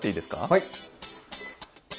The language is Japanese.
はい。